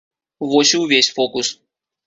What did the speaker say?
Вось і ўвесь фокус.